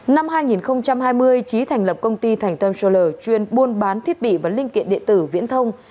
năm hai nghìn hai mươi trí thành lập công ty thành tâm scholar chuyên buôn bán thiết bị và linh kiện địa tử viễn thông